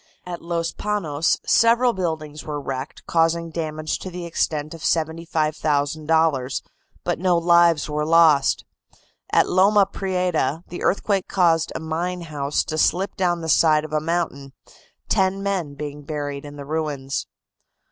At Los Panos several buildings were wrecked, causing damage to the extent of $75,000, but no lives were lost. At Loma Prieta the earthquake caused a mine house to slip down the side of a mountain, ten men being buried in the ruins.